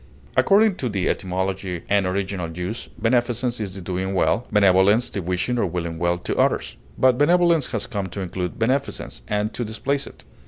According to the etymology and original usage, beneficence is the doing well, benevolence the wishing or willing well to others; but benevolence has come to include beneficence, and to displace it.